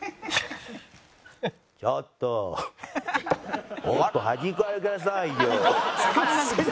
ちょっともっと端っこ歩きなさいよ。